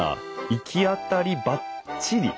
いきあたりバッチリ？